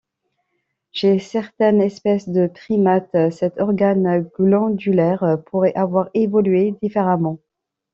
Chez certaines espèces de primates, cet organe glandulaire pourrait avoir évolué différemment.